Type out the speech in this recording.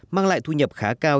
mang lại thu nhập khá cao